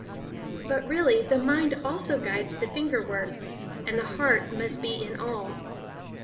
But really the mind also guides the finger work; and the heart must be in all.